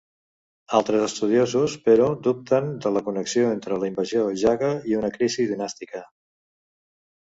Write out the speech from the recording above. Altres estudiosos, però dubten de la connexió entre la invasió jaga i una crisi dinàstica.